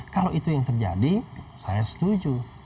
kalau itu yang terjadi saya setuju